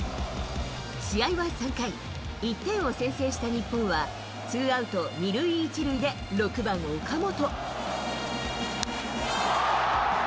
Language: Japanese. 試合は３回、１点を先制した日本はツーアウト２塁１塁で、６番岡本。